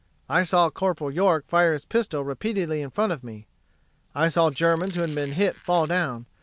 I saw Corp. York fire his pistol repeatedly in front of me. I saw Germans who had been hit fall down.